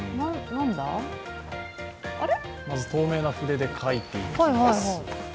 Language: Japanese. まず透明な筆で書いていきます。